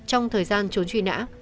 trong thời gian trốn truy nã